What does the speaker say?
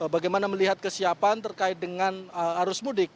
bagaimana melihat kesiapan terkait dengan arus mudik